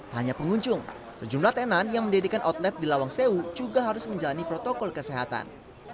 tak hanya pengunjung sejumlah tenan yang mendirikan outlet di lawang sewu juga harus menjalani protokol kesehatan